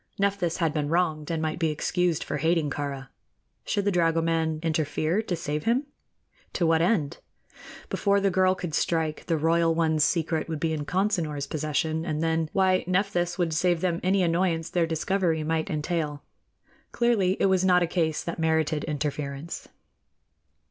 Nephthys had been wronged, and might be excused for hating Kāra. Should the dragoman interfere to save him? To what end? Before the girl could strike, the royal one's secret would be in Consinor's possession, and then why, Nephthys would save them any annoyance their discovery might entail. Clearly, it was not a case that merited interference.